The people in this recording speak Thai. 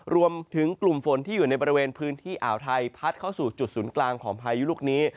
รวมถึงกลุ่มฝนที่อยู่ในบริเวณพื้นที่อ่าวไทยพัดเข้าสู่จุดศูนย์กลางของพายุลูกนี้